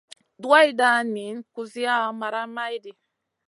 Duwayda niyn kusiya maraʼha maydi.